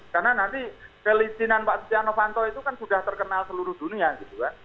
karena nanti pelistinan pak stianofanto itu kan sudah terkenal seluruh dunia gitu kan